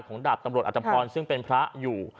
ดาบตำรวจอัตภพรซึ่งเป็นพระอยู่